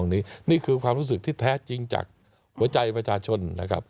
นี่คือความรู้สึกที่แท้จริงจากหัวใจประชาชนนะครับ